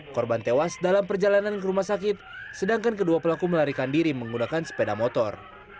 korban tewas dalam perjalanan ke rumah sakit sedangkan kedua pelaku melarikan diri menggunakan sepeda motor